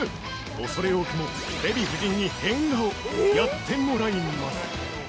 恐れ多くも、デヴィ夫人に変顔、やってもらいます！